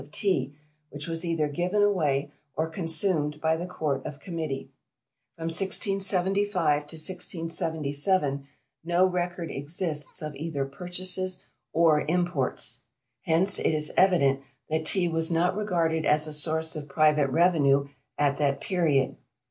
of Tea, which was either given away or consumed by the Court of Committee. From 1675 to 1677, no record exists of either purchases or imports. Hence, it is evident that Tea was not regarded as a source of private revenue at that period.